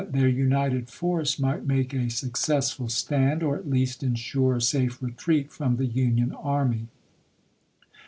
their united force might make a successful stand, or at least insure a safe retreat from the Union army.